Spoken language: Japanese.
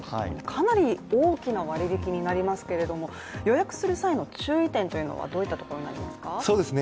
かなり大きな割り引きになりますけれども、予約する際の注意点というのはどういうところになりますか？